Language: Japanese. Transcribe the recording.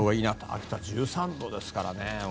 秋田は１３度ですからね。